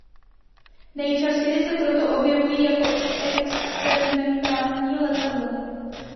Nejčastěji se proto objevují jako experimentální letadla.